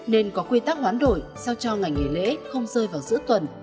nên có quy tắc khoán đổi sao cho ngày nghỉ lễ không rơi vào giữa tuần